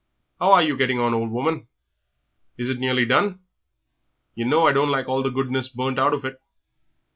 How are you getting on, old woman is it nearly done? Yer know I don't like all the goodness burnt out of it."